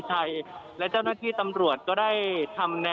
เหลือเพียงกลุ่มเจ้าหน้าที่ตอนนี้ได้ทำการแตกกลุ่มออกมาแล้วนะครับ